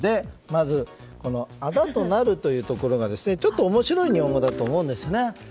「あだとなる」というところがちょっと面白い日本語だと思うんですね。